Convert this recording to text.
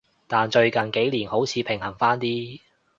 但最近幾年好似平衡返啲